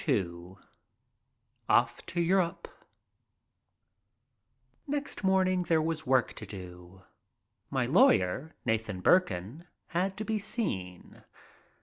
II OFF TO EUROPE NEXT morning there was work to do. My lawyer, Nathan Burkan, had to be seen.